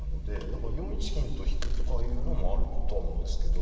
だから４一金と引くとかいうのもあるとは思うんですけど。